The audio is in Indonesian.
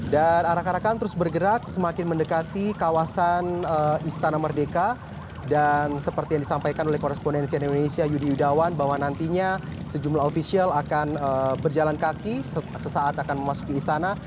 dan arah arahkan terus bergerak semakin mendekati kawasan istana merdeka dan seperti yang disampaikan oleh koresponensi indonesia yudi yudawan bahwa nantinya sejumlah ofisial akan berjalan kaki sesaat akan memasuki istana